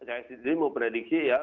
saya sendiri mau prediksi ya